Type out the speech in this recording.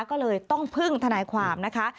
ก็เลยต้องพึ่งทนายความนะคะ